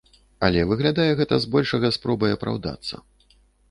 Але выглядае гэта збольшага спробай апраўдацца.